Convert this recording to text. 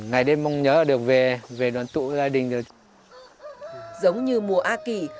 giống như mùa a kỷ